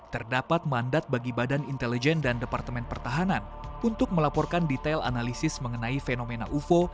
terdapat mandat bagi badan intelijen dan departemen pertahanan untuk melaporkan detail analisis mengenai fenomena ufo